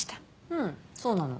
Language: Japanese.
うんそうなの？